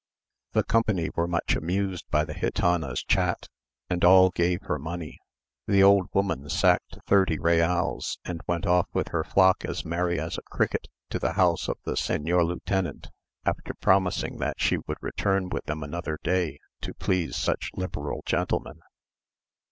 The company were much amused by the gitana's chat, and all gave her money. The old woman sacked thirty reals, and went off with her flock as merry as a cricket to the house of the señor lieutenant, after promising that she would return with them another day to please such liberal gentlemen.